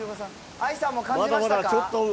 愛さんも感じましたか？